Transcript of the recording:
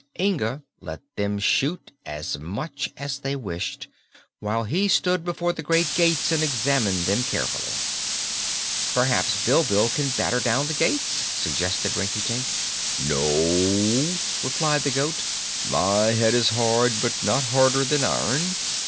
Inga let them shoot as much as they wished, while he stood before the great gates and examined them carefully. "Perhaps Bilbil can batter down the gates, suggested Rinkitink. "No," replied the goat; "my head is hard, but not harder than iron."